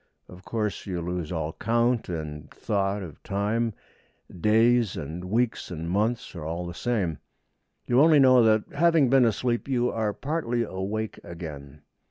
Of course, you lose all count and thought of time; days and weeks and months are all the same. You only know that, having been asleep, you are partly awake again.